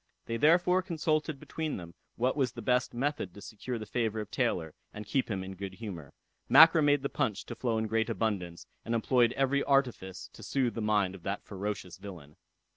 They therefore consulted between them what was the best method to secure the favor of Taylor, and keep him in good humor. Mackra made the punch to flow in great abundance, and employed every artifice to soothe the mind of that ferocious villain.